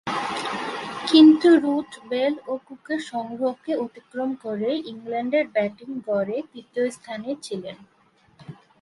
কিন্তু Root, Bell ও কুকের সংগ্রহকে অতিক্রম করে ইংল্যান্ডের ব্যাটিং গড়ে তৃতীয় স্থানে ছিলেন।